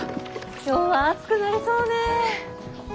今日は暑くなりそうね。